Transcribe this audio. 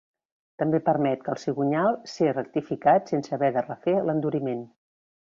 També permet que el cigonyal ser rectificat sense haver de refer l'enduriment.